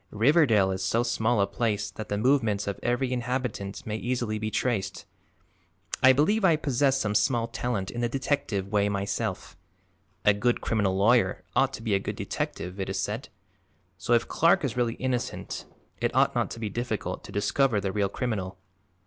Riverdale is so small a place that the movements of every inhabitant may easily be traced. I believe I possess some small talent in the detective way myself a good criminal lawyer ought to be a good detective, it is said so if Clark is really innocent it ought not to be difficult to discover the real criminal."